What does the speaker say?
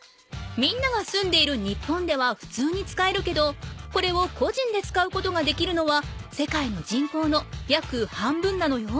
みんなが住んでいる日本ではふつうに使えるけどこれをこじんで使うことができるのは世界の人口のやく半分なのよ。